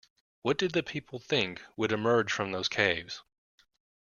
What did the people think would emerge from those caves?